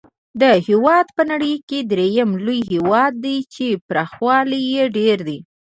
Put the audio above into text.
دا هېواد په نړۍ کې درېم لوی هېواد دی چې پراخوالی یې ډېر دی.